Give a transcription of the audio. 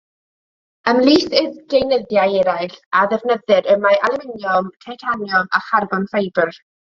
Ymhlith y deunyddiau eraill a ddefnyddir y mae alwminiwm, titaniwm a charbon ffibr.